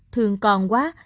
thương con quá